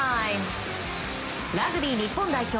ラグビー日本代表